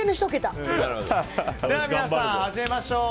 それでは皆さん、始めましょう。